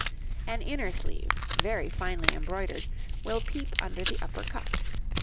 An inner sleeve, very finely embroidered, will peep under the upper cuff.